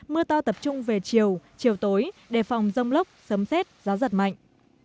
mưa to tập trung về chiều chiều tối đề phòng rông lốc sấm xét gió giật mạnh